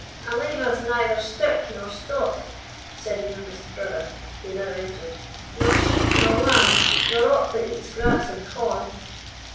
"And leave us neither stirk nor stot," said the youngest brother, who now entered, "nor sheep nor lamb, nor aught that eats grass and corn."